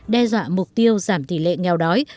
đe dọa mục tiêu giảm tỷ lệ nghèo đói